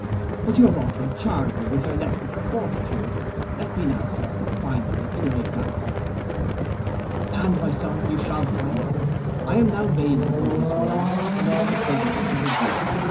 But you have often charmed me with your lessons of fortitude, let me now, Sir, find them in your example.' 'And, my son, you shall find them. I am now raised above this world, and all the pleasures it can produce.